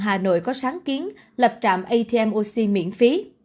hà nội có sáng kiến lập trạm atm oc miễn phí